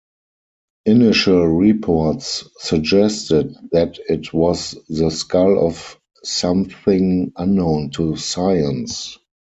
Initial reports suggested that it was the skull of something unknown to science.